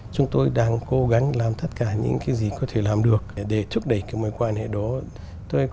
chúc mừng năm mới